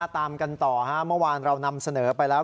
ตามกันต่อเมื่อวานเรานำเสนอไปแล้ว